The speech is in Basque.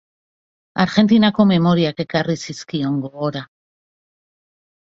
Argentinako memoriak ekarri zizkion gogora.